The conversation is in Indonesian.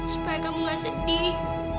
supaya kamu nggak sedih